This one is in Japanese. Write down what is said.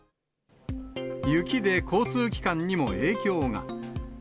雪で交通機関にも影響が。